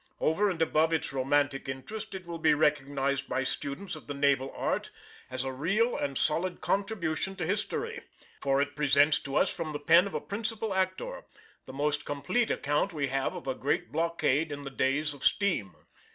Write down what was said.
Over and above its romantic interest it will be recognised by students of the naval art as a real and solid contribution to history; for it presents to us from the pen of a principal actor the most complete account we have of a great blockade in the days of steam.